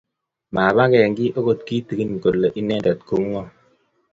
Momoke kiy agot kitigin Ole inendet ko ngo